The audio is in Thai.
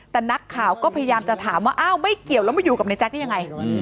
แต่นักข่าวก็พยายามจะถามว่าอ้าวไม่เกี่ยวแล้วมาอยู่กับในแจ๊คได้ยังไง